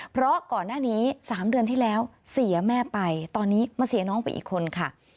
เพราะก่อนหน้านี้๓เดือนที่แล้วเสียแม่ไปตอนนี้มาเสียน้องไปอีกคนค่ะ